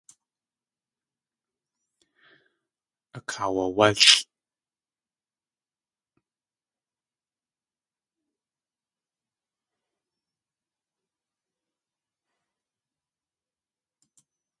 Akaawawálʼ.